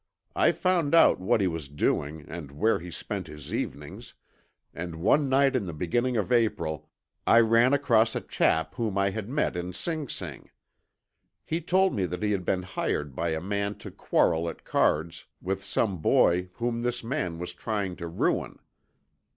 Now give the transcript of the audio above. I found out what he was doing and where he spent his evenings, and one night in the beginning of April I ran across a chap whom I had met in Sing Sing. He told me that he had been hired by a man to quarrel at cards with some boy whom this man was trying to ruin.